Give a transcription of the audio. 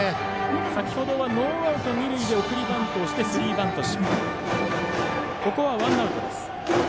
先ほどはノーアウト二塁で送りバントをしてスリーバント失敗。